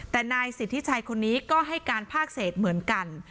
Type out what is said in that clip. แต่นายสิทธิชัยคนนี้ก็ให้การภาคเศษเหมือนกัน